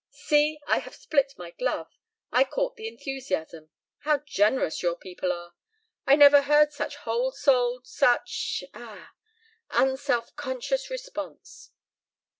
"See! I have split my glove. I caught the enthusiasm. How generous your people are! I never heard such whole souled, such ah unself conscious response."